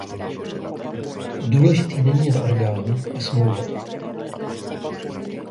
Důležitý není jen orgán a smlouva.